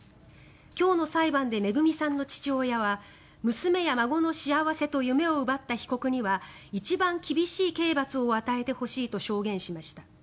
今日の裁判で恵さんの父親は娘や孫の幸せと夢を奪った被告には一番厳しい刑罰を与えてほしいと証言しました。